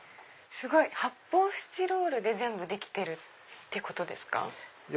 発泡スチロールで全部できてるってことですか？